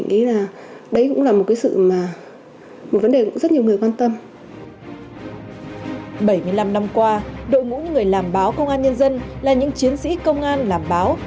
bảy mươi năm năm qua đội ngũ người làm báo công an nhân dân là những chiến sĩ công an làm báo